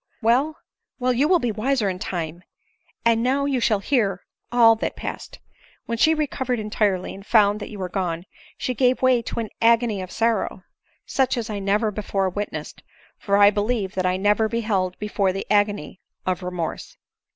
" Well, well, you will be wiser in time ; and now you shall hear all that passed. When she recovered entirely, and found that you were gone, she gave way to an agony of sorrow, such as I never before witnessed; for I believe that I never beheld before the agony of re morse."